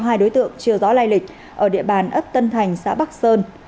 hai đối tượng chiều gió lai lịch ở địa bàn ất tân thành xã bắc sơn